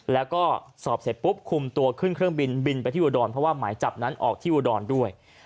แล้วก็สอบเสร็จปุ๊บคุมตัวขึ้นเครื่องบินบินไปที่อุดรเพราะว่าหมายจับนั้นออกที่อุดรด้วย